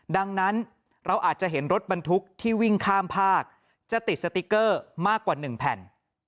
ดังนั้นเราอาจจะเห็นรถบรรทุกที่วิ่งข้ามภาคจะติดสติ๊กเกอร์มากกว่า๑แผ่น